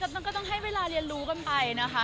มันก็ต้องให้เวลาเรียนรู้กันไปนะคะ